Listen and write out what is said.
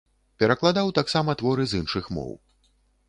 Перакладаў таксама творы з іншых моў.